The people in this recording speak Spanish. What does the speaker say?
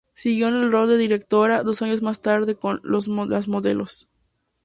Siguió en el rol de directora dos años más tarde con "Las Modelos".